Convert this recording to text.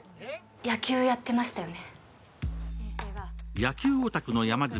野球やってましたよね？